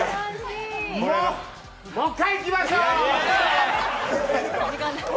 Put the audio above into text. もう一回いきましょう！